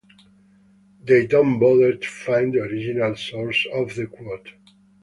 They don't bother to find the original source of the quote.